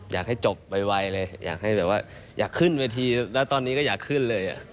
อยากให้จบไวเลยอยากให้แบบว่าอยากขึ้นเวทีแล้วตอนนี้ก็อยากขึ้นเลย